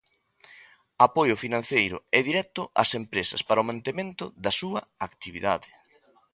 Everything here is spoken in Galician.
Apoio financeiro e directo ás empresas para o mantemento da súa actividade.